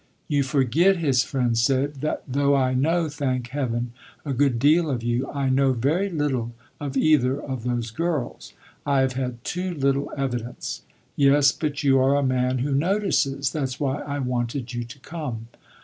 "You forget," his friend said, "that though I know, thank heaven, a good deal of you, I know very little of either of those girls. I have had too little evidence." "Yes, but you are a man who notices. That 's why I wanted you to come."